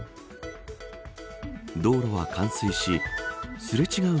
道路は冠水しすれ違う